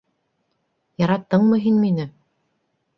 Яраттыңмы һин мине?